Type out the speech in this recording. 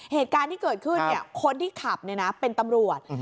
เหตุการณ์ที่เกิดขึ้นเนี่ยคนที่ขับเนี่ยนะเป็นตำรวจ